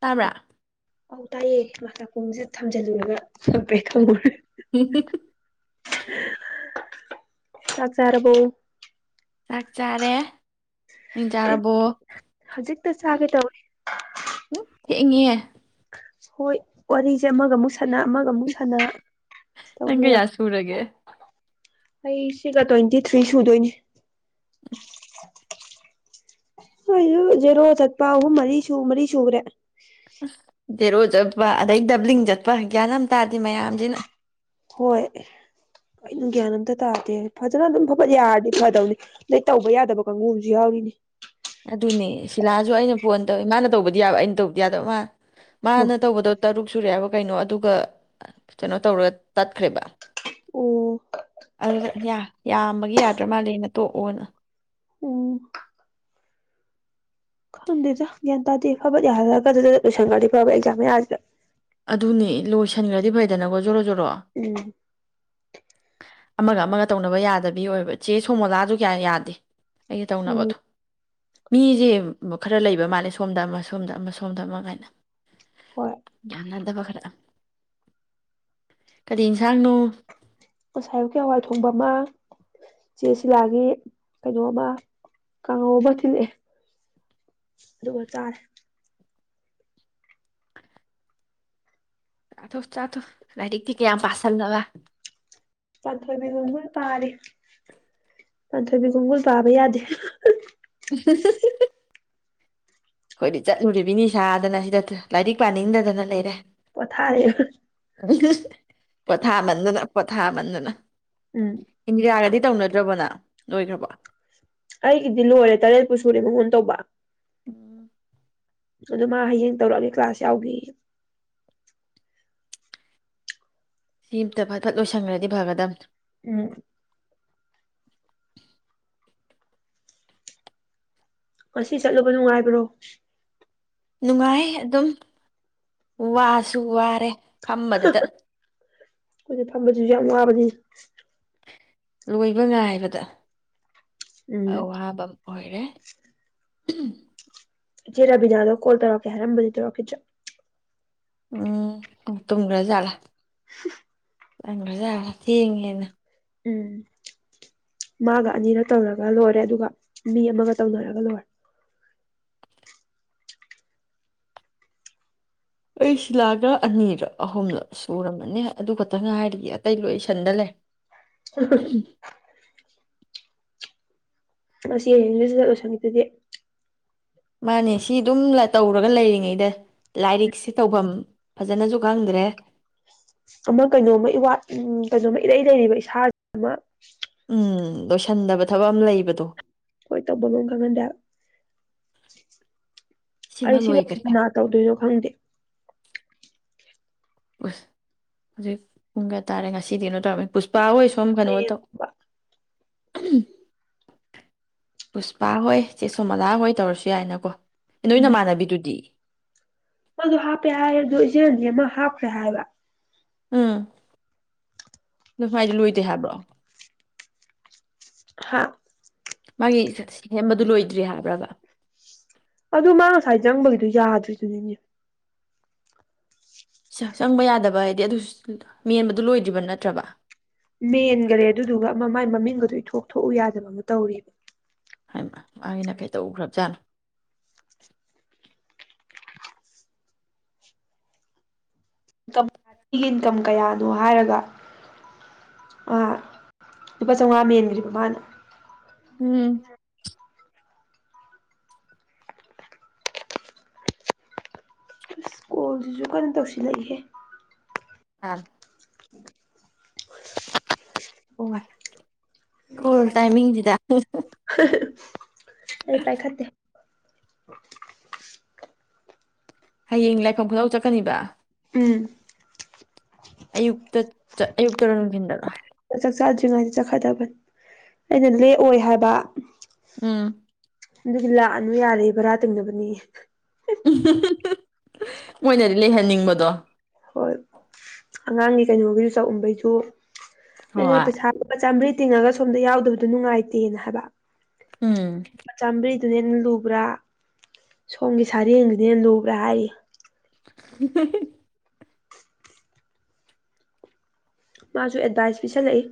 ꯇꯥꯕ꯭ꯔ ꯑꯧ ꯇꯥꯏꯌꯦ ꯃꯥ ꯅꯥꯀꯣꯡꯁꯦꯗ ꯊꯝꯖꯤꯜꯂꯨꯔꯒ ꯍꯥꯏꯐꯦꯠ ꯈꯪꯉꯨꯔꯦ [unintelligible] ꯆꯥꯛ ꯆꯥꯔꯕꯣ ꯆꯥꯛ ꯆꯥꯔꯦ ꯅꯡ ꯆꯥꯔꯕꯣ ꯍꯧꯖꯤꯛꯇ ꯆꯥꯒꯦ ꯇꯧꯔꯦ ꯊꯦꯛꯉꯦ ꯍꯣꯏ ꯋꯥꯔꯤꯁꯦ ꯑꯃꯒ ꯑꯃꯨꯛ ꯁꯅ ꯑꯃꯒ ꯑꯃꯨꯛ ꯁꯅ ꯅꯪ ꯀꯌꯥ ꯇꯧꯕꯤꯔꯕ ꯁꯨꯔꯒꯦ ꯑꯩ ꯁꯤꯒ ꯇ꯭ꯋꯦꯟꯇꯤ ꯊ꯭ꯔꯤ ꯁꯨꯗꯣꯏꯅꯤ [unintelligible] ꯍ ꯖꯦꯔꯣ ꯆꯠꯄ ꯑꯍꯨꯝ ꯃꯔꯤ ꯁ ꯃꯔꯤ ꯁꯨꯈ꯭ꯔꯦ ꯎꯝ ꯖꯦꯔꯣ ꯆꯠꯄ ꯑꯗꯩ ꯗꯕ꯭ꯂꯤꯡ ꯆꯠꯄ ꯒ꯭ꯌꯥꯟꯝ ꯇꯥꯔꯗꯤ ꯃꯌꯥꯝꯁꯤꯅ ꯍꯣꯏ ꯑꯩꯅ ꯒ꯭ꯌꯥꯟ ꯑꯝꯇ ꯇꯥꯗꯦ ꯐꯖꯅ ꯑꯗꯨꯝ ꯐ ꯌꯥꯔꯗꯤ ꯐꯗꯧꯅꯤ ꯑꯗꯩ ꯇꯧꯕ ꯌꯥꯗꯕ ꯀꯥꯡꯕꯨ ꯑꯃꯁꯁꯨ ꯌꯥꯎꯔꯤꯅꯤ ꯑꯗꯨꯅꯦ ꯁꯤꯂꯥꯁꯨ ꯑꯩꯅ ꯐꯣꯟ ꯇꯧꯋꯤ ꯃꯥꯅ ꯇꯧꯕꯗꯤ ꯌꯥꯕ ꯑꯩꯅ ꯇꯧꯕꯗꯤ ꯌꯥꯗꯕ ꯃꯥ ꯍꯩꯃꯥ ꯃꯥꯅ ꯇꯧꯕꯗꯣ ꯇꯔꯨꯛ ꯁꯨꯔꯦ ꯍꯥꯏꯕ ꯀꯩꯅꯣ ꯑꯗꯨꯒ ꯀꯩꯅꯣ ꯇꯧꯔꯒ ꯇꯠꯈ꯭ꯔꯦꯕ ꯑꯣ ꯑꯗꯨ ꯌꯥꯝꯕꯒꯤ ꯌꯥꯗ꯭ꯔ ꯃꯥꯜꯂꯅ ꯇꯣꯛꯑꯣꯅ ꯑꯣ ꯈꯪꯗꯦꯗ ꯒ꯭ꯌꯥꯟ ꯇꯥꯗꯦ ꯐꯕ ꯌꯥꯜꯂꯒ ꯑꯗꯨ ꯂꯣꯏꯁꯟꯉꯔꯗꯤ ꯐꯕ ꯑꯦꯛꯖꯥꯝ ꯌꯥꯁꯤ ꯑꯗꯨꯅꯦ ꯂꯣꯏꯁꯤꯟꯈ꯭ꯔꯗꯤ ꯐꯩꯗꯅꯀꯣ ꯖꯣꯔꯣ ꯖꯣꯔꯣ ꯎꯝ ꯑꯃꯒ ꯑꯃꯒ ꯇꯧꯅꯕ ꯌꯥꯗꯕꯤ ꯑꯣꯏꯕ ꯆꯦ ꯁꯣꯃꯣꯂꯥꯁꯨ ꯀꯌꯥ ꯌꯥꯗꯦ ꯑꯩꯒ ꯎꯝ ꯇꯧꯅꯕꯗꯣ ꯃꯤꯁꯦ ꯈꯔ ꯂꯩꯕ ꯃꯥꯜꯂꯦ ꯁꯣꯝꯗ ꯁꯣꯝꯗ ꯑꯃ ꯁꯣꯝꯗ ꯑꯃ ꯀꯥꯏꯅ ꯍꯣꯏ ꯌꯥꯌꯥꯅꯗꯕ ꯈꯔ ꯀꯔꯤ ꯏꯟꯁꯥꯡꯅꯣ ꯑꯣꯁꯥꯌꯨꯀꯤ ꯑꯋꯥꯏ ꯊꯣꯡꯕ ꯑꯃ ꯆꯦ ꯁꯤ ꯂꯒꯦ ꯀꯩꯅꯣꯕ ꯀ ꯑꯣꯕ ꯊꯤꯟꯦ ꯑꯗꯨꯒ ꯆꯥꯔꯦ ꯆꯥꯊꯣꯛ ꯆꯥꯊꯣꯛ ꯂꯥꯏꯔꯤꯛꯇꯤ ꯀꯌꯥꯝ ꯄꯥꯁꯤꯜꯕ ꯄꯥꯟꯊꯣꯏꯕꯤ ꯈꯣꯡꯒꯨꯜ ꯄꯥꯔꯦ ꯄꯥꯟꯊꯣꯏꯕꯤ ꯈꯣꯡꯒꯨꯜ ꯄꯥꯕ ꯌꯥꯗꯦ [unintelligible] ꯍꯣꯏꯗꯤ ꯆꯠꯂꯨꯔꯤꯕꯅꯤ ꯁꯥꯗꯅ ꯁꯤꯗ ꯂꯥꯏꯔꯤꯛ ꯄꯥꯅꯤꯡꯗꯗꯅ ꯂꯩꯔꯦ ꯄꯣꯊꯥꯔꯦ ꯀꯊꯥ ꯃꯥꯟꯗꯅ ꯀꯊꯥ ꯃꯗꯨꯅ ꯎꯝ ꯏ ꯑꯔꯗꯤ ꯇꯧꯅꯗ꯭ꯔꯕꯅ ꯅꯣꯏꯈ꯭ꯔꯕ ꯑꯩꯒꯤꯗꯤ ꯂꯣꯏꯔꯦ ꯇꯔꯦꯠꯄꯨ ꯁꯨꯔꯦ ꯃꯉꯣꯟ ꯇꯧꯕ ꯎꯝ, ꯑꯗꯨ ꯃꯥ ꯍꯌꯦꯡ ꯇꯧꯔꯛꯑꯒꯦ ꯀ꯭ꯂꯥꯁ ꯌꯥꯎꯈꯤ ꯁꯤ ꯑꯝꯇ ꯐꯠ ꯐꯠ ꯂꯣꯏꯁꯟꯈ꯭ꯔꯗꯤ ꯐꯒꯗꯗꯝ ꯎꯝ [unintelligible] ꯉꯁꯤ ꯆꯠꯂꯨꯕ ꯅꯨꯡꯉꯥꯏꯕ꯭ꯔꯣ ꯅꯨꯡꯉꯥꯏ ꯑꯗꯨꯝ ꯋꯥꯁꯨ ꯋꯥꯔꯦ ꯐꯝꯕꯗꯇ ꯑꯩꯖꯤ ꯐꯝꯕꯕꯁꯤꯁꯨ ꯌꯥꯝ ꯋꯥꯕꯗꯤ [unintelligible] ꯂꯣꯏꯕ ꯉꯥꯏꯕꯗ ꯎꯝ ꯋꯥꯕꯝ ꯑꯣꯏꯣꯏꯔꯦ ꯎꯝ ꯆꯦꯔꯥꯕꯤꯖꯗꯣ ꯀꯣꯜ ꯇꯧꯔꯛꯀꯦ ꯍꯥꯏꯔꯝꯕꯗꯤ ꯇꯧꯔꯛꯀꯦ ꯎꯝ ꯇ꯭ꯔꯖꯂ [unintelligible] ꯆꯪ꯭ꯔꯖꯥ ꯊꯦꯡꯉꯦꯅ ꯎꯝ ꯃꯥꯒ ꯑꯅꯤꯔ ꯇꯧꯔꯒ ꯂꯣꯏꯔꯦ ꯑꯗꯨꯒ ꯃꯤ ꯑꯃꯒ ꯇꯧꯅꯔꯒ ꯂꯣꯏꯔꯦ ꯑꯩ ꯁꯤꯂꯥꯒ ꯑꯅꯤꯔꯛ ꯑꯍꯨꯝꯂꯛ ꯁꯨꯨꯔꯝꯃꯅꯦ ꯑꯗꯨ ꯈꯛꯇꯪ ꯉꯥꯏꯔꯤꯒ ꯑꯇꯩ ꯂꯣꯏꯁꯟꯗꯂꯦ [unintelligible] ꯑꯁꯤ ꯌꯦꯁꯤ ꯆꯠꯂꯣꯏꯁꯪꯒꯤꯗꯨꯗꯤ ꯃꯥꯅꯦ ꯁꯤ ꯑꯗꯨꯝ ꯇꯧꯔꯒ ꯂꯩꯔꯤꯉꯩꯗ ꯂꯥꯏꯔꯤꯛꯁꯤ ꯇꯧꯐꯝ ꯐꯖꯅꯁꯨ ꯈꯪꯗ꯭ꯔꯦ ꯑꯃ ꯀꯩꯅꯣꯝꯃ ꯏꯠ ꯎ ꯀꯩꯅꯣꯝꯃ ꯏꯔꯩ ꯂꯩꯔꯤꯕ ꯏꯁꯥꯁꯤ ꯑꯃ ꯎꯝ ꯂꯣꯏꯁꯤꯟꯗꯕ ꯊꯕꯛ ꯑꯃ ꯂꯩꯕꯗꯣ ꯍꯣꯏ ꯇꯧꯕꯅꯣ ꯈꯪꯍꯟꯗꯦ ꯁꯤꯃ ꯑꯩ ꯁꯤꯅ ꯂꯣꯏꯈ꯭ꯔꯦ ꯀꯅꯥ ꯇꯧꯗꯣꯏꯅꯣ ꯈꯪꯗꯦ ꯑꯁ ꯍꯧꯖꯤꯛ ꯄꯨꯡ ꯀꯌꯥ ꯇꯥꯔꯦ ꯉꯁꯤꯗꯤꯩꯅꯣ ꯇꯧꯔꯝꯃꯤ ꯄꯨꯁꯄꯥ ꯑꯣꯏꯁꯨ ꯑꯌꯦꯄꯥ ꯄꯨꯁꯄꯥ ꯍꯣꯏ ꯆꯦꯁꯨꯣ ꯑꯂꯥ ꯍꯣꯏ ꯇꯧꯔꯁꯨ ꯌꯥꯏꯅꯀꯣ ꯅꯣꯏ ꯅꯃꯥꯟꯅꯕꯤꯗꯨꯗꯤ ꯃ ꯍꯥꯞꯄꯦ ꯍꯥꯏ ꯑꯗꯨ ꯏꯆꯦꯅꯤ ꯑꯃ ꯍꯥꯞꯈ꯭ꯔꯦ ꯍꯥꯏꯕ ꯑꯝ ꯅꯥꯏꯗꯤ ꯂꯣꯏꯗꯦ ꯍꯥꯏꯕ꯭ꯔꯣ ꯍꯥꯥ ꯃꯥꯒꯤ ꯁꯦꯝꯕꯗꯨ ꯂꯣꯏꯗ꯭ꯔꯤ ꯍꯥꯏꯕ꯭ꯔꯥꯒ ꯑꯗꯨ ꯃꯥ ꯉꯁꯥꯏ ꯆꯪꯕꯒꯤꯗꯨꯣ ꯌꯥꯗꯣꯏ ꯑꯗꯨꯔꯤ ꯆꯪꯕ ꯌꯥꯗꯕ ꯍꯥꯏꯗꯤ ꯑꯗꯨꯁꯨ ꯃꯦꯟꯕꯗꯨ ꯂꯣꯏꯗ꯭ꯔꯤꯕ ꯅꯠꯇ꯭ꯔꯕ ꯃꯦꯟꯈꯔꯦ ꯑꯗꯨꯗꯨꯒ ꯑꯃ ꯃꯥꯏ ꯃꯃꯤꯡꯒꯗꯣ ꯏꯊ ꯊꯣꯛꯎ ꯌꯥꯗꯕꯅ ꯇꯧꯔꯤꯕꯔꯤꯕ ꯑꯩꯅ ꯀꯩꯗꯧꯈ꯭ꯔꯕꯖꯥꯠꯅꯣ ꯝ ꯃꯤꯒꯤ ꯏꯟꯀꯝ ꯀꯌꯥꯅꯣ ꯍꯥꯏꯔꯒ ꯂꯨꯄꯥ ꯆꯥꯝꯃꯉꯥ ꯃꯦꯟꯈ꯭ꯔꯤꯕ ꯃꯥꯅ ꯎꯝ ꯁ꯭ꯨꯜꯁꯨ ꯀꯟꯅ ꯇꯧꯁꯤꯜꯂꯛꯏꯍꯦ ꯑꯥ ꯑꯣ ꯑꯩ ꯄꯥꯏꯈꯠꯇꯦ [unintelligible] ꯍꯌꯦꯡ ꯂꯥꯏꯐꯝ ꯈꯨꯗꯧ ꯆꯠꯀꯅꯤꯕ ꯎꯝ ꯑꯌꯨꯛꯇ ꯆꯠ ꯑꯌꯨꯛꯇꯔꯣ ꯅꯨꯡꯊꯤꯟꯗꯔꯣ ꯆꯥꯛ ꯆꯥꯗ꯭ꯔꯤꯉꯩꯗ ꯆꯠꯈꯗꯕꯅꯤ ꯑꯩꯅ ꯂꯦꯛꯑꯣꯏ ꯍꯥꯏꯕ ꯎꯝ ꯑꯗꯨꯗꯤ ꯂꯥꯛꯑꯅꯨ ꯌꯥꯔꯦꯕ꯭ꯔꯥ ꯇꯤꯡꯅꯕꯅꯤ ꯃꯣꯏꯅꯗꯤ ꯂꯩꯍꯟꯅꯤꯡꯕꯗꯣ ꯍꯣꯏ ꯑꯉꯥꯡꯒꯤ ꯀꯩꯅꯣꯒꯤꯁꯨ ꯆꯥꯛꯎꯝꯕꯩꯁꯨ ꯍꯣꯏ ꯄꯩꯁꯥ ꯆꯝꯕ꯭ꯔꯤ ꯇꯤꯡꯉꯒ ꯁꯣꯝꯗ ꯌꯥꯎꯗꯕꯗꯨꯣ ꯅꯨꯡꯉꯥꯏꯇꯦꯅ ꯍꯥꯏꯕ ꯎꯝ ꯆꯝꯔꯤ ꯑꯗꯨꯅ ꯍꯦ ꯂꯨꯕ꯭ꯔꯥ ꯁꯣꯝꯒꯤ ꯁꯥꯔꯦꯡꯗꯨꯅꯦ ꯂꯨꯕ꯭ꯔꯥ ꯍꯥꯏꯔꯤ [unintelligible] ꯃꯥꯁꯨ ꯑꯦꯗꯚꯥꯏꯁ ꯄꯤꯁꯜꯂꯛꯏ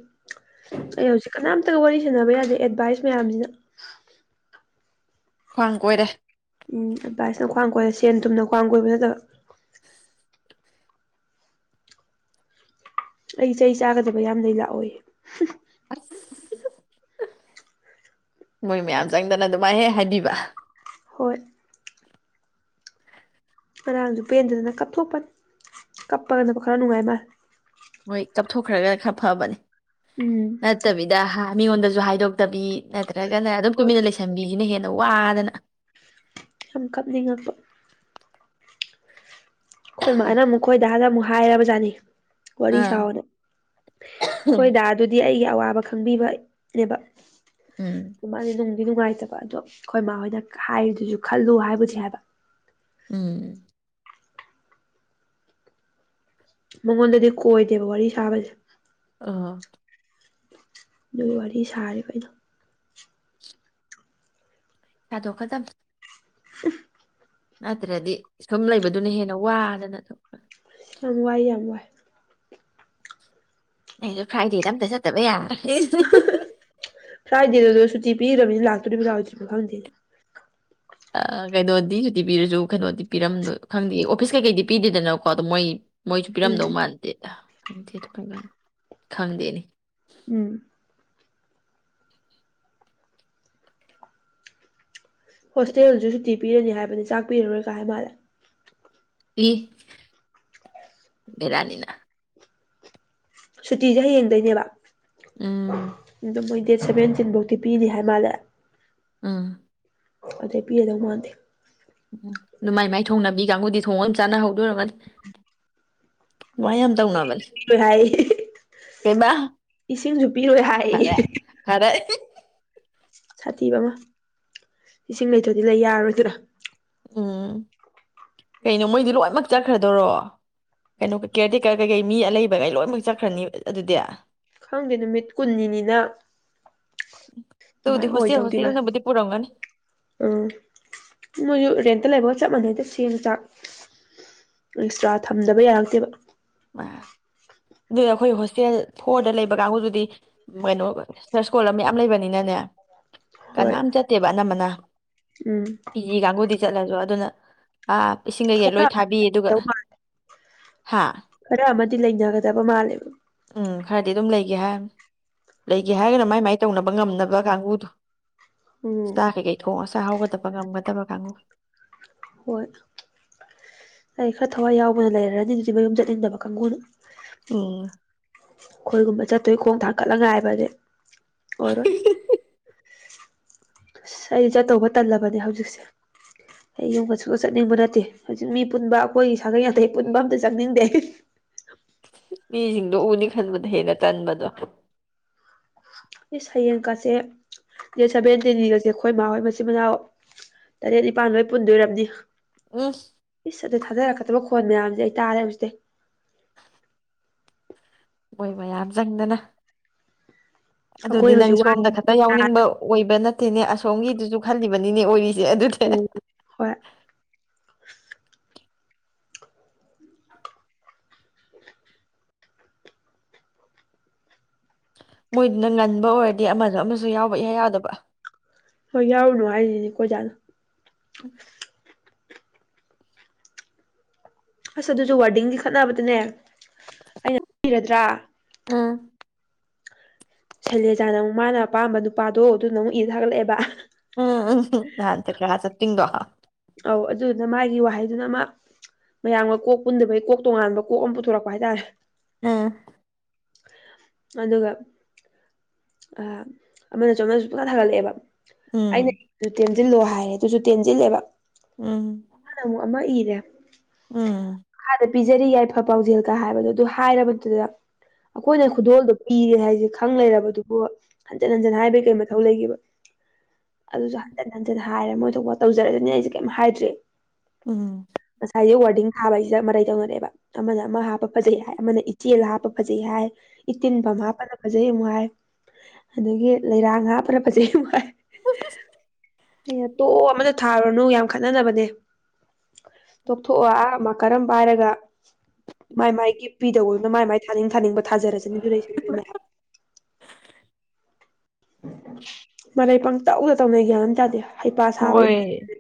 ꯑꯩ ꯍꯧꯖꯤꯛ ꯀꯅꯥꯝꯇꯒ ꯋꯥꯔꯤ ꯁꯥꯟꯅꯕ ꯌꯥꯗꯦ ꯑꯦꯗꯚꯥꯏꯁ ꯃꯌꯥꯝꯁꯤꯅ ꯈ꯭ꯋꯥꯡ ꯀꯣꯏꯔꯦ ꯎꯝ ꯑꯦꯗꯚꯥꯏꯁꯅ ꯈ꯭ꯋꯥꯡ ꯀꯣꯏꯔꯦ ꯁꯦꯟ ꯊꯨꯝꯅ ꯈ꯭ꯋꯥꯡ ꯀꯣꯏꯕ ꯅꯠꯇꯕ ꯑꯩ ꯆꯩ ꯆꯥꯒꯗꯕ ꯌꯥꯝ ꯂꯩ ꯂꯥꯎ ꯑꯣꯏ [unintelligible] ꯃꯣꯏ ꯃꯌꯥꯝ ꯆꯪꯗꯅ ꯑꯗꯨꯃꯥꯏꯅ ꯍꯦꯛ ꯍꯥꯏꯕꯤꯕ ꯍꯣꯏ ꯉꯥꯡꯔꯡꯁꯨ ꯄꯦꯟꯗꯗꯅ ꯀꯞꯊꯣꯛꯄꯅꯤ ꯀꯞꯄꯒꯅ ꯈꯔ ꯅꯨꯡꯉꯥꯏ ꯃꯥꯜ ꯍꯣꯏ ꯀꯞꯊꯣꯛꯈ꯭ꯔꯒ ꯈꯔ ꯐꯕꯅꯦ ꯎꯝ ꯅꯠꯇꯕꯤꯗ ꯍꯥ ꯃꯤꯉꫭꯟ ꯨ ꯍꯥꯏꯗꯣꯛꯇꯕꯤ ꯅꯠꯇ ꯒꯅ ꯑꯗꯨꯝ ꯍꯣꯏ ꯇꯨꯃꯤꯟꯅ ꯂꯩꯁꯟꯕꯤꯁꯤꯅ ꯍꯦꯟꯅ ꯑ ꯋꯥꯗꯅ ꯌꯥꯝ ꯀꯞꯅꯤꯡꯉꯛꯄ ꯑꯈꫭꯏ ꯃꯥꯅ ꯑꯃꯨꯛ ꯑꯈꫭꯏ ꯗꯥꯗ ꯑꯃꯨꯛ ꯍꯥꯏꯔꯕꯖꯥꯠꯅꯤ ꯋꯥꯔꯤ ꯑꯥ ꯁꯥꯎꯅ ꯑꯩꯈꯣꯏꯗꯤꯗꯨꯗꯤ ꯑꯩꯒ ꯑꯋꯥꯕ ꯈꯪꯕꯤꯕꯅꯦꯕ ꯎꯝ ꯏꯕꯅꯤꯑꯗꯨ ꯅꯨꯡꯉꯥꯏꯇꯕ ꯑꯗꯣ ꯑꯩꯈꯣꯏ ꯃꯥ ꯍꯣꯏꯅ ꯍꯥꯏꯔꯤꯗꯨꯁꯨ ꯈꯜꯂꯨ ꯍꯥꯏꯕꯨꯗꯨ ꯍꯥꯏꯕ ꯎꯝ ꯃꯉꯣꯟꯗꯗꯤ ꯀꯣꯏꯗꯦꯕ ꯋꯥꯔꯤ ꯁꯥꯕꯁꯦ ꯑꯥ ꯑꯗꯨꯒ ꯋꯥꯔꯤ ꯁꯥꯔꯦꯕ ꯑꯩꯗꫭ ꯁꯥꯗꫭꯛ ꯀꯗꯥꯃꯤ [inaudible] ꯅꯠꯇ꯭ꯔꯗꯤ ꯁꯨꯝ ꯂꯩꯕꯗꯨꯅ ꯍꯦꯟꯅ ꯋꯥꯗꯅ ꯁꯨꯝ ꯌꯥꯝ ꯋꯥꯏ ꯌꯥꯝ ꯋꯥꯏ ꯑꯩꯖꯨ ꯐ꯭ꯔꯥꯏꯗꯦꯗ ꯑꯝꯇ ꯆꯠꯇꯕ ꯌꯥꯔꯔꫭꯏ ꯑꯩꯁꯨ ꯄꯤꯗꯕꯤꯗ ꯂꯥꯛꯇꯨꯔꯤꯕ ꯂꯥꯛꯑꫭꯏꯗꯨꯔꯤꯕ ꯈꯪꯗꯦꯅꯦ ꯀꯩꯅꯣꯗꯤ ꯁꯨꯇꯤ ꯄꯤꯔꯁꯨ ꯀꯩꯅꯣꯗꯤ ꯄꯤꯔꯝꯗꯣ ꯈꯪꯗꯦ ꯑꯣꯐꯤꯁ ꯀꯩꯀꯩꯗꯤ ꯄꯤꯗꯦꯗꯅꯀꯣ ꯑꯗꯣ ꯃꯣꯏ ꯃꯣꯏꯁꯨ ꯄꯤꯔꯝꯗꯧ ꯎꯝ ꯃꯥꯟꯗꯦꯗ ꯈꯪꯗꯦ ꯑꯗꯨ ꯀꯔꯝ ꯀꯟꯅꫭ ꯈꯪꯗꯦꯅꯦ ꯎꯝ ꯍꯣꯁꯇꯦꯜꯁꯨ ꯁꯨꯇꯤ ꯄꯤꯔꯅꯤ ꯍꯥꯏ ꯍꯥꯏꯕꯅꯤ ꯆꯥꯛꯄꯤꯔꯔꯣꯏ ꯀꯥ ꯍꯥꯏ ꯃꯥꯜꯂꯦ ꯑꯤ ꯕꯦꯔꯅꯤꯅ ꯁꯨꯇꯤꯁꯦ ꯍꯌꯦꯡꯗꯩꯅꯦꯕ ꯎꯝ [unintelligible] ꯑꯗꯨ ꯃꫭꯏ ꯗꯦꯠ ꯁꯚꯦꯟꯇꯤꯟ ꯐꯧꯗꯤ ꯄꯤꯅꯤ ꯍꯥꯏ ꯃꯥꯜꯂꯦ ꯑꯥ ꯑꯗꯩ ꯄꯤꯒꯗꯧ ꯃꯟꯗꯦ ꯎꯝ ꯃꯥꯏ ꯃꯥꯏ ꯊꯣꯡꯅꯕꯤ ꯀꯥꯡꯒꯨꯗꯤ ꯊꯣꯡꯉꯥ ꯌꯥꯝ ꯆꯥꯅ ꯍꯧꯗꯣꯏꯔꯒꯅꯤ ꯃꯥꯏ ꯌꯥꯝ ꯇꯧꯅꯕꯅꯦ ꯄꯤꯔꯣꯏ ꯍꯥꯏ ꯀꯩꯕꯥ ꯏꯁꯤꯡꯁꯨ ꯄꯤꯔꯣꯏ ꯍꯥꯏ ꯐꯔꯦ ꯐꯔꯦ ꯁꯥꯊꯤꯕ ꯑꯃ ꯏꯁꯤꯡ ꯂꯩꯊꯣꯏꯗꯤ ꯂꯩ ꯌꯥꯔꯣꯏꯗꯔ ꯎꯥ ꯀꯩꯅꯣ ꯃꯣꯏꯗꯤ ꯂꯣꯏꯅꯃꯛ ꯆꯠꯈ꯭ꯔꯗꯣꯔꯣ ꯀꯩꯅꯣ ꯀꯦꯌꯔ ꯇꯦꯛꯀꯔ ꯀꯩꯀꯩ ꯃꯤ ꯑ ꯂꯩꯕꯒꯩ ꯂꯣꯏꯅꯃꯛ ꯆꯠꯈ꯭ꯔꯅꯤ ꯑꯗꯨꯗꯤ ꯈꯪꯗꯦ ꯅꯨꯃꯤꯠ ꯀꯨꯟꯅꯤꯅꯤꯅ ꯑꯗꯨꯕꯨꯗꯤ ꯑꯗꯨꯃꯥꯏꯅ ꯍꯣꯁꯇꯦꯜ ꯑꯣꯏꯗꯧꯗꯤ ꯃꯥꯜꯂꯦ ꯍꯣꯁꯇꯦꯜꯅꯕꯨꯗꯤ ꯄꯨꯔꯝꯒꯅꯤ ꯎꯝ ꯃꯣꯏꯁꯨ ꯔꯦꯟꯇ ꯂꯩꯕꯒ ꯆꯞ ꯃꯥꯟꯅꯩꯗ ꯆꯤꯟꯖꯥꯛ ꯑꯦꯛꯁꯇ꯭ꯔꯥ ꯊꯝꯗꯕ ꯌꯥꯔꯛꯇꯦꯕ ꯑ ꯑꯗꯨ ꯑꯩꯈꯣꯏ ꯍꯣꯁꯇꯦꯜ ꯐꯣꯔꯗ ꯂꯩꯕꯒꯈꯖꯤꯗꯤ ꯀꯩꯅꯣ ꯁꯔꯁꯀꯣꯜ ꯑꯃ ꯃ ꯌꯥꯝ ꯂꯩꯕꯅꯤꯅꯅꯦ ꯍꯣꯏ ꯀꯅꯥꯝ ꯆꯠꯇꯦꯕ ꯑꯅꯝꯕꯅ ꯎꯝ ꯍꯤ ꯀꯥꯡꯕꯨꯨꯗꯤ ꯆꯠꯂꯁꯨ ꯑꯗꯨꯅ ꯑꯥ ꯏꯁꯤꯡꯒꯒ ꯈꯔ ꯂꯣꯏ ꯊꯥꯕꯤꯌꯦ ꯑꯃꯗꯤ ꯑꯗꯨꯒ ꯍꯥꯥ ꯈꯔ ꯑꯃꯗꯤ ꯂꯩꯅꯒꯗꯕ ꯃꯥꯜꯂꯦꯕ ꯎꯝ ꯈꯔꯗꯤ ꯑꯗꯨꯝ ꯂꯩꯒꯦ ꯍꯥꯏ ꯂꯩꯒꯦ ꯍꯥꯏꯔꯒꯅ ꯃꯥꯏ ꯃꯥꯏ ꯇꯧꯅꯕ ꯉꯝꯅꯕ ꯀꯥꯡꯕꯨꯗꯣ ꯎꯝ ꯆ ꯀꯩꯀꯩ ꯊꯣꯡ ꯑꯁ ꯍꯒꯗꯕ ꯉꯝꯒꯗꯕ ꯊꯉꯣ ꯍꯣꯏ ꯑꯩ ꯈꯔ ꯊꯋꯥꯏ ꯌꯥꯎꯕꯅ ꯂꯩꯔꯅꯤ ꯑꯗꯨꯗꯤ ꯃꯌꯨꯝ ꯆꯠꯅꯤꯡꯗꯕ ꯀꯥꯡꯕꯨꯅ ꯑꯣ ꯑꯩꯈꯣꯏꯒꯨꯝꯕ ꯆꯠꯇꯣꯏ ꯈꯣꯡ ꯊꯥꯡꯀꯠꯂ ꯉꯥꯏ ꯍꯥꯏꯕꯁ ꯑꯣꯏꯔ ꯑꯁ ꯑꯩꯗꯤ ꯆꯠꯇꯧꯕ ꯇꯜꯂꯕꯅꯦ ꯍꯧꯖꯤꯛꯁꯦ ꯑꯩ ꯌꯨꯝꯗ ꯁꯨꯡ ꯆꯠꯅꯤꯡꯕ ꯅꯠꯇꯦ ꯍꯧꯖꯤꯛ ꯃꯤ ꯄꯨꯟꯕ ꯑꯩꯈꯣꯏꯒꯤ ꯁꯥꯒꯩ ꯅꯇꯩ ꯑꯩ ꯄꯨꯟꯕ ꯑꯝꯇ ꯆꯠꯅꯤꯡꯗꯦ ꯑꯩ ꯃꯤꯁꯤꯡꯗꯣ ꯎꯅꯤ ꯈꯟꯕꯗ ꯍꯦꯟꯅ ꯇꯟꯕꯗꯣ ꯏꯁ ꯍꯌꯦꯡꯀꯁꯦ ꯗꯦꯠ ꯁꯚꯦꯟꯇꯤꯟꯒꯤꯒꯁꯦ ꯑꯩꯈꯣꯏ ꯃꯥ ꯍꯣꯏ ꯃꯆꯤꯟ ꯃꯅꯥꯎ ꯇꯔꯦꯠ ꯅꯤꯄꯥꯥꯟ ꯂꯣꯏ ꯄꯨꯟꯗꯣꯏ ꯑꯣꯏꯔꯝꯅꯤ ꯎꯝ ꯏꯁ ꯑꯗꯨꯗ ꯊꯥꯗꯔꯛꯀꯗꯕ ꯈꯣꯟ ꯃꯌꯥꯝꯁꯤꯗꯤ ꯑꯗꯩ ꯇꯥꯗꯦ ꯍꯧꯖꯤꯛꯇꯩ ꯃꯣꯏ ꯃꯌꯥꯝ ꯆꯪꯗꯅ ꯑꯩꯈꯣꯏ ꯑꯗꯨꯗꯤ ꯅꯪ ꯍꯧꯖꯤꯛ ꯋꯥ ꯁꯣꯝꯗ ꯈꯛꯇ ꯌꯥꯎꯅꯤꯡꯕ ꯑꯣꯏꯕ ꯅꯠꯇꯦꯅꯦ ꯑꯁꯣꯝꯒꯤꯗꯨꯁꯨ ꯈꯜꯂꯤꯕꯅꯤꯅꯦ ꯑꯣꯏꯔꯤ ꯁꯦ ꯑꯗꯨꯗ ꯍꯣꯏ ꯃꯣꯏ ꯏꯅꯪ ꯉꯅꯕ ꯍꯥꯏ ꯗꯤ ꯑꯃꯗ ꯑꯃꯁꯨ ꯌꯥꯎꯕ ꯏꯌꯥ ꯌꯥꯗꯕ ꯍꯣꯏ ꯌꯥꯎꯔꯨꯅꯨ ꯍꯥꯏꯔꯤꯅꯦ ꯀꯣꯏꯖꯥꯠꯣ [unintelligible] ꯑꯁ ꯑꯗꯨꯁꯨ ꯋꯥꯔꯗꯤꯡꯒꯤ ꯈꯠꯅꯕꯗꯅꯦ ꯑꯩꯅꯔꯗ꯭ꯔꯥ ꯎꯝ ꯁꯩꯂꯦꯖꯥꯅ ꯑꯃꯨꯛ ꯃꯥꯅ ꯑꯄꯥꯝꯕ ꯅꯨꯄꯥꯗꯣ ꯑꯗꯨꯅ ꯑꯃꯨꯛ ꯏ ꯊꯥꯒꯠꯂꯛꯑꯦꯕ ꯎꯝ ꯆ ꯇꯤꯗꯣ ꯍꯥꯥ ꯑꯗꯨꯗꯨꯅ ꯃꯥꯒꯤ ꯋꯥꯍꯩꯗꯨꯅ ꯑꯃ ꯃꯌꯥꯝꯒ ꯀꯣꯛ ꯄꯨꯟꯗꯕꯒꯤ ꯀꯣꯛ ꯇꯣꯉꯥꯟꯕ ꯀꯣꯛ ꯑꯃ ꯄꯨꯊꯣꯔꯛꯄ ꯍꯥꯏꯇꯥꯔꯦ ꯎꯝ ꯎꯝ ꯑꯗꯨꯒ ꯑꯃꯅꯁꯨꯅꯁꯨ ꯄꯨꯨꯡꯀ ꯊꯥꯒꯠꯂꯛꯑꯦꯕ ꯎꯝ ꯑꯩꯅꯇꯁꯤꯜꯂꯣ ꯍꯥꯏꯔꯦ ꯑꯗꯨꯁꯨ ꯇꯦꯟꯁꯤꯜꯂꯦꯕ ꯎꯝ ꯗ ꯑꯃꯨꯛ ꯑꯃ ꯏꯔꯦꯥꯗ ꯄꯤꯖꯔꯤ ꯌꯥꯏꯐ ꯄꯥꯎꯖꯦꯜꯒ ꯍꯥꯏꯕꯗꯣ ꯑꯗꯨ ꯍꯥꯏꯔꯕꯗꯨꯗ ꯑꯩꯈꯣꯏꯅ ꯈꯨꯗꯣꯜꯗꯣ ꯄꯤꯔꯦ ꯍꯥꯏꯁꯦ ꯈꯪ ꯂꯩꯔꯕꯗꯨꯕꯨ ꯍꯟꯖꯤꯟ ꯍꯟꯖꯤꯟ ꯍꯥꯏꯕꯩ ꯀꯩ ꯃꯊꯧ ꯂꯩꯒꯦꯕ ꯑꯗꯨꯁꯨ ꯍꯟꯖꯤꯟ ꯍꯟꯖꯤꯟ ꯍꯥꯏꯔꯦ ꯃꯣꯏꯗ ꯇꯧꯖꯔꯦꯅꯦ ꯑꯩꯁꯦ ꯀꯩꯝ ꯍꯥꯏꯗ꯭ꯔꯤꯦ ꯎꯝ ꯉꯁꯥꯏꯒꯤ ꯋꯥꯔꯗꯤꯡ ꯊꯥꯕ ꯍꯥꯏꯁꯦ ꯃꯔꯥꯏ ꯇꯧꯅꯔꯦ ꯑꯃꯅ ꯑꯃ ꯍꯥꯞꯄ ꯐꯖꯩ ꯍꯥꯏ ꯑꯃꯅ ꯏꯆꯦꯜ ꯍꯥꯞꯄ ꯐꯖꯩ ꯍꯥꯏ ꯏ ꯇꯤꯟ ꯄ ꯃꯥꯄꯅ ꯐꯖꯩ ꯅꯨꯡꯉꯥꯏ ꯑꯗꯒꯤ ꯂꯩꯔꯥꯡ ꯉꯥꯄꯅ ꯐꯖꯩ ꯋꯥꯥꯏ ꯑ ꯉꯇꯣꯞ ꯑꯃꯇ ꯊꯥꯔꯨꯔꯨꯅꯨ ꯌꯥꯝ ꯈꯠꯅꯅꯕꯅꯦ ꯇꯣꯛꯊꯣꯛꯑꯣ ꯑꯥ ꯑꯃ ꯀꯔꯝ ꯄꯥꯏꯔꯒ ꯃꯥꯏ ꯃꯥꯏꯒꯤ ꯄꯤꯗꯧꯕꯕꯅꯣ ꯃꯥꯏ ꯃꯥꯏ ꯊꯥꯅꯤꯡ ꯊꯥꯅꯤꯡꯕ ꯊꯥꯖꯔꯁꯤꯅꯤ ꯑꯗꯨ ꯃꯔꯩ ꯄꯪꯇꯧꯗ ꯇꯧꯅꯩꯒ꯭ꯌꯥꯟ ꯇꯥꯗꯦ ꯍꯩꯄꯥ ꯁꯥꯕ ꯍꯣꯏ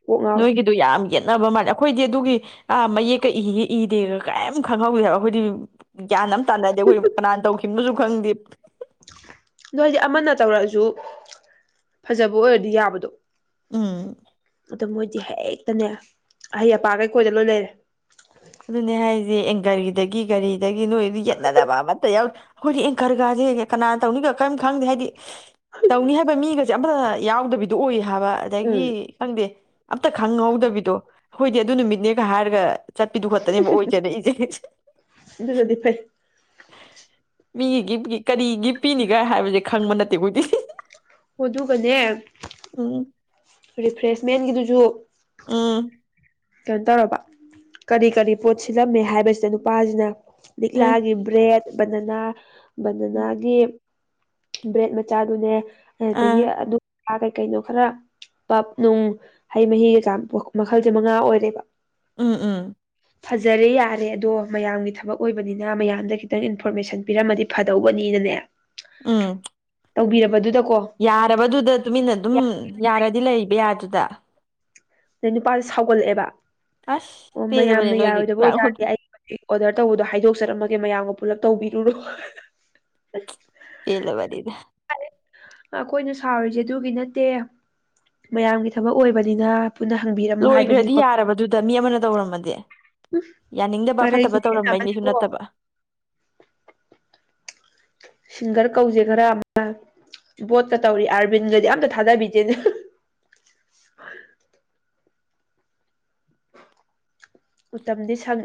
ꯀꯣꯛ ꯉꯥꯎꯋꯦ ꯅꯣꯏꯒꯤꯗꯣ ꯌꯥꯝ ꯌꯦꯠꯅꯕ ꯃꯥꯜꯂꯦ ꯑꯩꯈꯣꯏꯗꯤ ꯑꯗꯨꯒꯤ ꯑ ꯃ ꯀ ꯏꯗꯔ ꯀꯔꯤꯝ ꯈꯪꯍꯧꯗꯦ ꯍꯥꯏꯕ ꯑꯩꯈꯣꯏꯗꯤ ꯒ꯭ꯌꯥꯟ ꯑꯃ ꯇꯥꯅꯗꯦ ꯑꯩꯈꯣꯏ ꯀꯅꯥꯅ ꯇꯧꯈꯤꯕꯁꯨ ꯀꯪꯗꯤꯞ ꯑꯣ ꯍꯥꯏꯗꯤ ꯑꯃꯅ ꯇꯧꯔꯛꯑꯁꯨ ꯐꯖꯕ ꯑꯣꯏꯔꯗꯤ ꯌꯥꯕꯗꯣ ꯎꯝ ꯑꯗꯨ ꯃꯣꯏꯗꯤ ꯍꯦꯛꯇꯅꯦ ꯑꯍꯩ ꯑꯄꯥꯈꯩ ꯀꯣꯏꯗ ꯂꯣꯏ ꯂꯩꯔꯦ ꯑꯗꯨꯅꯦ ꯍꯥꯏꯁꯦ ꯑꯦꯡꯒꯔꯒꯤꯗꯒꯤ ꯀꯔꯤ ꯑꯗꯨꯗꯒꯤꯅ ꯏ ꯌꯦꯠ ꯅꯗꯕ ꯃ ꯌꯥꯎ ꯑꯩꯈꯣꯏꯗꯤ ꯑꯦꯡꯀꯔꯒꯥꯁꯦ ꯀꯅꯥꯅ ꯇꯧꯅꯤꯒ ꯀꯔꯤꯝ ꯈꯪꯗꯦ ꯍꯥꯏꯗꯤ ꯇꯧꯅꯤ ꯍꯥꯏꯕ ꯃꯤꯒꯁꯦ ꯑꯝꯇ ꯌꯥꯎꯗꯕꯤ ꯑꯣꯏ ꯊꯥꯕ ꯑꯗꯒꯤ ꯎꯝ ꯈꯪꯗꯦ ꯑꯝꯇ ꯈꯪꯍꯧꯗꯕꯤꯗꯣ ꯑꯩꯈꯣꯏꯗꯤ ꯑꯗꯨ ꯅꯨꯃꯤꯠꯅꯦꯒ ꯍꯥꯏꯔꯒ ꯗꯨ ꯈꯛꯇꯅꯦꯕ ꯑꯣꯏꯁꯦꯔ ꯏꯁꯦꯦ ꯑꯗꯨꯅꯗꯤ ꯐꯩ ꯃꯤꯒꯤ ꯒꯤ ꯀꯔꯤ ꯒꯤꯞ ꯄꯤꯅꯤꯒꯥꯏ ꯍꯥꯏꯕꯁꯦ ꯈꯪꯕ ꯅꯠꯇꯦ ꯀꯗꯤ ꯑꯗꯨꯒꯅꯦ ꯔꯤꯐ꯭ꯔꯦꯁꯃꯦꯟꯒꯤꯗꯨꯁꯨ ꯎꯝ ꯀꯩꯅꯣ ꯇꯧꯔꯕ ꯀꯔꯤ ꯀꯔꯤ ꯄꯣꯠ ꯁꯤꯜꯂꯝꯃꯦ ꯍꯥꯏꯕꯁꯤꯗ ꯅꯨꯄꯥꯁꯤꯅ ꯗꯛꯂ ꯎꯝ ꯍꯥꯏ ꯏꯕ꯭ꯔꯦ ꯕꯅꯅ ꯕꯟꯗꯅꯥꯒꯤ ꯕ꯭ꯔꯦꯠ ꯃꯆꯥꯗꯨꯅꯦ ꯑꯗꯨꯗꯒꯤ ꯑꯥ ꯑꯗꯨ ꯀꯩ ꯀꯩꯅꯣ ꯈꯔ ꯄꯞꯅꯨꯡ ꯍꯩ ꯃꯍꯤꯒ ꯆ ꯃꯈꯜꯁꯦ ꯃꯉꯥ ꯑꯣꯏꯔꯦꯕ ꯎꯝ ꯎꯝ ꯐꯖꯔꯦ ꯌꯥꯔꯦ ꯑꯗꯣ ꯃꯌꯥꯝꯒꯤ ꯊꯕꯛ ꯑꯣꯏꯕꯅꯤꯅ ꯃꯌꯥꯝꯗ ꯈꯤꯇꯪ ꯏꯟꯐꯣꯔꯃꯦꯁꯟ ꯄꯤꯔꯝꯃꯗꯤ ꯐꯗꯧꯕꯅꯤꯅꯅꯦ ꯎꯝ ꯇꯧꯕꯤꯔꯕꯗꯨꯗ ꯌꯥꯔꯕꯗꯨꯗ ꯇꯨꯃꯤꯟꯅ ꯑꯗꯨꯝ ꯌꯥꯔ ꯗꯤ ꯂꯩꯕ ꯌꯥꯗꯨꯗ ꯑꯗꯩ ꯅꯨꯄꯥꯁꯦ ꯁꯥꯎꯒꯠꯂꯛꯑꯦꯕ ꯑꯁ ꯑꯣ ꯄꯦꯜꯂꯕꯅꯤ ꯃꯌꯥꯝꯅ ꯅꯣꯏꯒꯤ ꯌꯥꯔꯣꯏꯗꯕ ꯑꯣꯏꯇꯥꯔꯗꯤ ꯍꯣꯅꯦ ꯑꯩ ꯑꯣꯔꯗꯔ ꯇꯧꯕꯗꯣ ꯍꯥꯏꯗꯣꯛꯆꯔꯝꯃꯒꯦ ꯃꯌꯥꯝꯒ ꯄꯨꯂꯞ ꯇꯧꯕꯤꯔꯨꯔꯣ ꯄꯂꯕꯔꯤꯗ ꯑꯩꯈꯣꯏꯅ ꯁꯥꯎꯔꯤꯁꯦ ꯑꯗꯨꯒꯤ ꯅꯠꯇꯦ ꯃꯌꯥꯝꯒꯤ ꯊꯕꯛ ꯑꯣꯏꯕꯅꯤꯅ ꯄꯨꯟꯅ ꯍꯪꯕꯤꯔꯝꯃꯣ ꯂꯣꯏꯈ꯭ꯔꯗꯤ ꯍꯥꯏꯕꯅꯤꯀꯣ ꯌꯥꯔꯕꯗꯨꯗꯤ ꯗ ꯃꯤ ꯑꯃꯅ ꯇꯧꯔꯝꯃꯗꯤꯦ ꯌꯥꯅꯤꯡꯗꯕ ꯃꯔꯩ ꯐꯠꯇꯕ ꯈꯨꯌꯦꯟ ꯇꯧꯔꯝꯕꯩꯅꯤꯁꯨ ꯑꯃꯅꯤꯀꯣ ꯅꯠꯇꯕ ꯁꯤꯡꯒꯔ ꯀꯧꯁꯦ ꯈꯔ ꯑꯃ ꯕꯣꯠꯀ ꯇꯧꯔꯤ ꯑꯥꯔꯕꯤꯟꯗꯗꯤ ꯑꯝꯇ ꯊꯥꯗꯕꯤꯁꯦꯅꯦ ꯎꯇꯝꯗꯤ ꯁꯪ